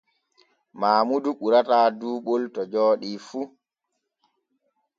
Maamudu ɓurata duuɓol to jooɗi fu.